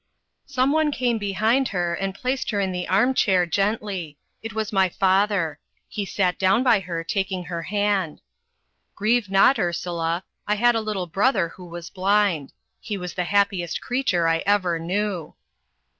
Some one came behind her, and placed her in the arm chair, gently. It was my father. He sat down by her, taking her hand. "Grieve not, Ursula. I had a little brother who was blind. He was the happiest creature I ever knew."